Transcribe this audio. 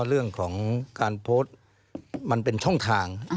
เรื่องของการโพสต์มันเป็นช่องทาง